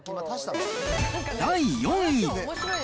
第４位。